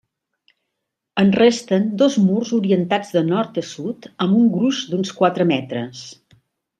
En resten dos murs orientats de nord a sud amb un gruix d'uns quatre metres.